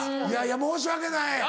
いやいや申し訳ない。